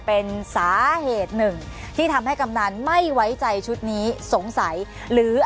เป็นสาเหตุหนึ่งที่ทำให้กำนันไม่ไว้ใจชุดนี้สงสัยหรือ